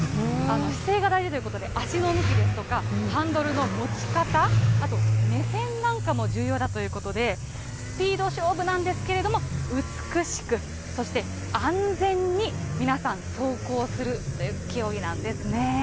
姿勢が大事ということで、足の向きですとか、ハンドルの持ち方、あと、目線なんかも重要だということで、スピード勝負なんですけれども、美しく、そして安全に皆さん、走行する競技なんですね。